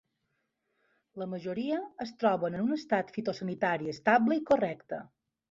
La majoria es troben en un estat fitosanitari estable i correcte.